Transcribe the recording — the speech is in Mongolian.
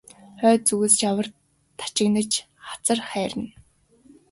Хойд зүгээс жавар тачигнаж хацар хайрна.